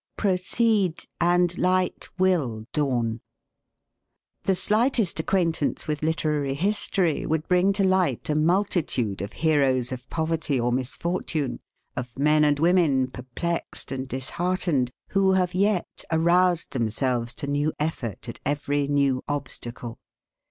PROCEED, AND LIGHT WILL DAWN. The slightest acquaintance with literary history would bring to light a multitude of heroes of poverty or misfortune, of men and women perplexed and disheartened, who have yet aroused themselves to new effort at every new obstacle.